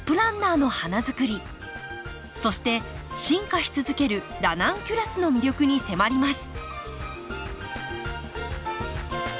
そして進化し続けるラナンキュラスの魅力に迫ります